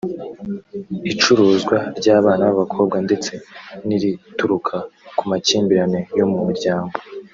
icuruzwa ry’abana b’abakobwa ndetse n’irituruka ku makimbirane yo mu miryango